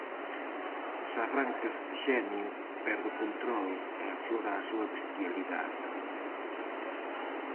Nos arranques de xenio, perde o control e aflora a súa bestialidade.